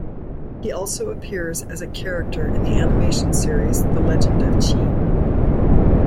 He also appears as a character in the animation series "The Legend of Qin".